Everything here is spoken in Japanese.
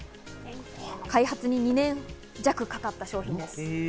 開発に２年弱かかった商品です。